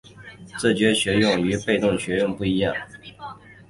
自觉学用与被动学用不一样